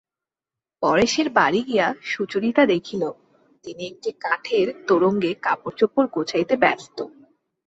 পরেশের বাড়ি গিয়া সুচরিতা দেখিল, তিনি একটা কাঠের তোরঙ্গে কাপড়চোপড় গোছাইতে ব্যস্ত।